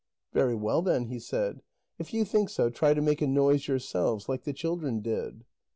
"Very well, then," he said, "if you think so, try to make a noise yourselves, like the children did."